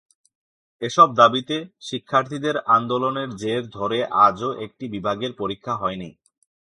এসব দাবিতে শিক্ষার্থীদের আন্দোলনের জের ধরে আজও একটি বিভাগের পরীক্ষা হয়নি।